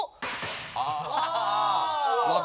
ああ！